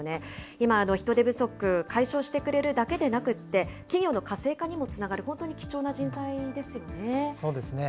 今、人手不足、解消してくれるだけでなくって、企業の活性化にもつながる、本当に貴重な人材ですそうですね。